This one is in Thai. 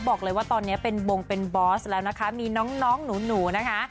บอกเลยว่าตอนนี้เป็นบงเป็นบอสแล้วนะคะมีน้องหนูนะคะ